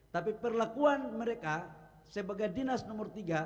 tapi perlakuan mereka sebagai dinas nomor tiga